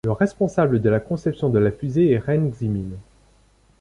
Le responsable de la conception de la fusée est Ren Xinmin.